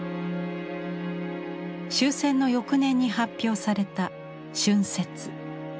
終戦の翌年に発表された「春雪」。